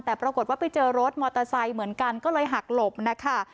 แต่ปรากฏว่าไปเจอรถมอเตอร์ไซค์เหมือนกันก็เลยหักหลบนะคะ